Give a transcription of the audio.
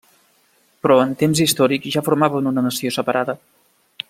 Però en temps històrics ja formaven una nació separada.